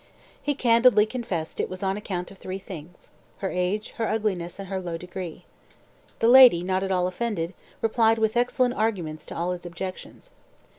He candidly confessed it was on account of three things, her age, her ugliness, and her low degree. The lady, not at all offended, replied with excellent arguments to all his objections.